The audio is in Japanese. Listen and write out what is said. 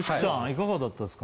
いかがだったですか